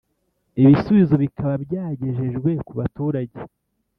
ibisubizo bikaba byagejejwe ku baturage